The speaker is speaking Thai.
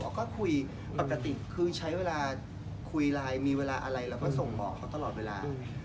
ก็คุยปกติคือใช้เวลาคุยไลน์มีเวลาอะไรเราก็ส่งบอกเขาตลอดเวลา